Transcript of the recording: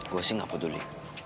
gua sih gak peduli